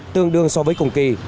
tương đương so với cùng kỳ